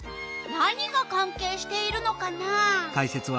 何がかんけいしているのかな？